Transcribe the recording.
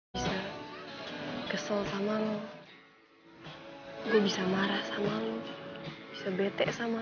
bisa kesel sama lu hai gue bisa marah sama lu sebetek sama